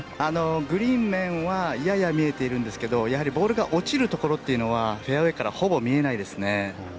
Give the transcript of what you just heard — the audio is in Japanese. グリーン面はやや見えているんですがボールが落ちるところというのはフェアウェーからほぼ見えないですね。